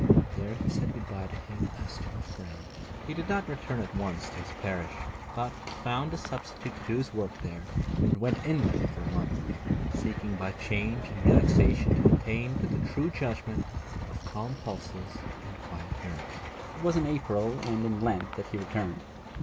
There he said good bye to him as to a friend. He did not return at once to his parish, but found a substitute to do his work there, and went inland for a month, seeking by change and relaxation to attain to the true judgment of calm pulses and quiet nerves. It was in April and in Lent that he returned.